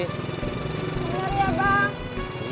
bener ya bang